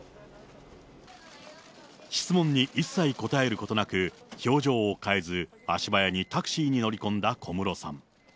質問に一切答えることなく、表情を変えず、足早にタクシーに乗り込んだ小室さん。